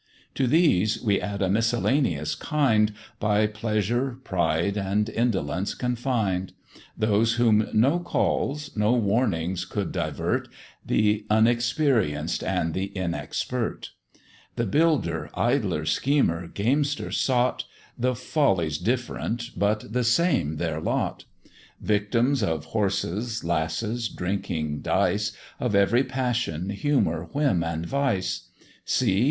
To these we add a miscellaneous kind, By pleasure, pride, and indolence confined; Those whom no calls, no warnings could divert, The unexperienced, and the inexpert; The builder, idler, schemer, gamester, sot, The follies different, but the same their lot; Victims of horses, lasses, drinking, dice, Of every passion, humour, whim, and vice. See!